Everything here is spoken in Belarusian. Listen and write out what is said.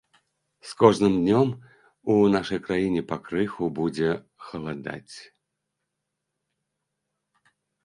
З кожным днём у нашай краіне пакрыху будзе халадаць.